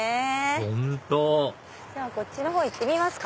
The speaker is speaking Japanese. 本当こっちのほう行ってみますか。